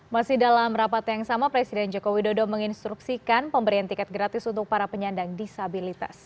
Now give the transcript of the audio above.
masih dalam rapat yang sama presiden joko widodo menginstruksikan pemberian tiket gratis untuk para penyandang disabilitas